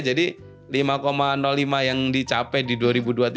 jadi lima lima yang dicapai di dua ribu dua puluh tiga itu juga ada